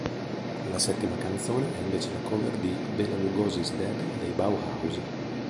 La settima canzone è invece la cover di "Bela Lugosi's Dead" dei Bauhaus.